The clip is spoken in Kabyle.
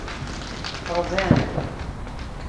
Ɣban.